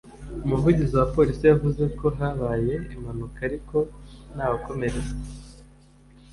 umuvugizi wa polisi yavuze ko habaye impanuka ariko ntawakomeretse